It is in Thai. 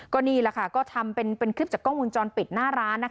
ก็นี่แหละค่ะก็ทำเป็นคลิปจากกล้องวงจรปิดหน้าร้านนะคะ